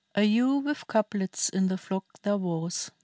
A ewe "v^dth couplets in the flock there was.